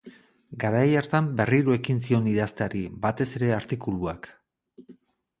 Garai hartan berriro ekin zion idazteari, batez ere artikuluak.